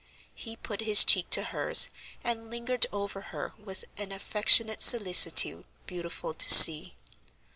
He put his cheek to hers, and lingered over her with an affectionate solicitude beautiful to see.